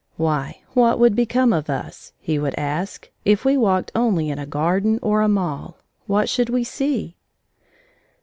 "Why, what would become of us," he would ask, "if we walked only in a garden or a mall? What should we see?"